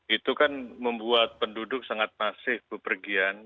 itu kan membuat penduduk sangat masif bepergian